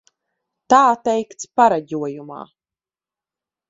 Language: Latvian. Tā teikts pareģojumā.